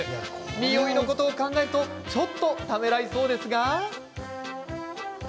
においのことを考えるとちょっとためらいそうですが。